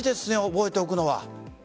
覚えておくのは。